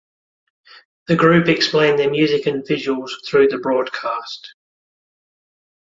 The group explained their music and visuals through the broadcast.